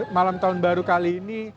malam tahun baru kali ini